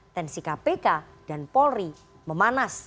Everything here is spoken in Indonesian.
tensi kpk dan polri memanas